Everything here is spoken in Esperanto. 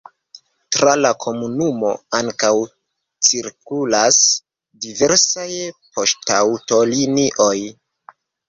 Tra la komunumo ankaŭ cirkulas diversaj poŝtaŭtolinioj.